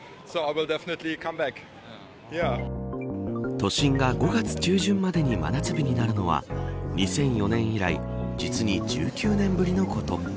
都心が５月中旬までに真夏日になるのは２００４年以来実に１９年ぶりのこと。